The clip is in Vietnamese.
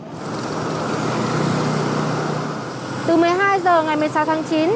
từ một mươi hai h ngày một mươi sáu tháng chín